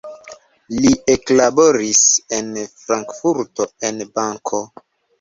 Li eklaboris en Frankfurto en banko.